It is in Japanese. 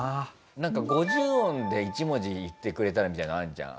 なんか５０音で１文字言ってくれたらみたいなのあるじゃん。